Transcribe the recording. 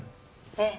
ええ。